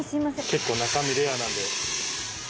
結構中身レアなんで。